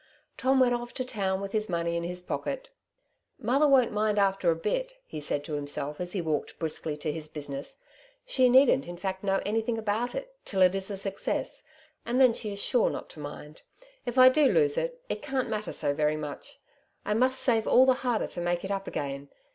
Tom went off to town with his money in his pocket. '^ Mother won't mind after a bit,^^ he said to him self as he walked briskly to his business. ^^ She needn't, in fact, know anything about it till it is a success, and then she is sure not to mind. If I do ii8 " Two Sides to every Qtiestion.^' lose it, it can^t matter so very much. I must save all the harder to make it up again.